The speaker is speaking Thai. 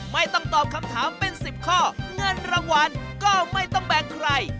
ไม่ต้องตอบคำถามเป็น๑๐ข้อเงินรางวัลก็ไม่ต้องแบ่งใคร